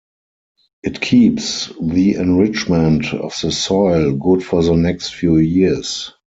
It keeps the enrichment of the soil good for the next few years.